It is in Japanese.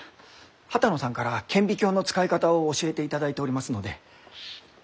波多野さんから顕微鏡の使い方を教えていただいておりますので。